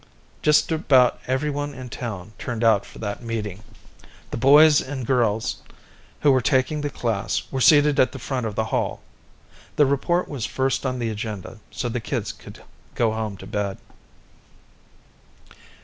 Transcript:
Just about everyone in town turned out for that meeting. The boys and girls who were taking the class were seated at the front of the hall. The report was first on the agenda, so the kids could go home to bed.